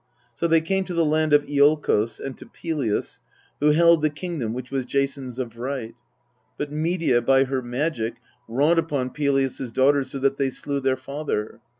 So they came to the land of lolkos, and to Pelias, who held the kingdom which was Jason's of right. But Medea by her magic wrought upon Pelias's daughters so that they slew their father.